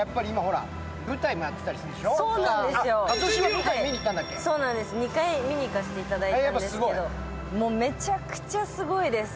舞台は２回見に行かせていただいたんですけど、もうめちゃくちゃすごいです。